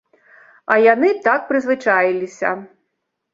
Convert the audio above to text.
А яны так прызвычаіліся.